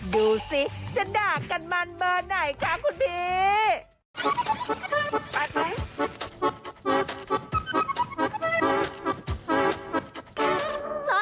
ดูสิจะด่ากันมันเบอร์ไหนคะคุณพี่